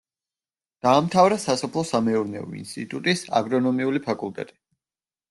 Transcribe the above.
დაამთავრა სასოფლო-სამეურნეო ინსტიტუტის აგრონომიული ფაკულტეტი.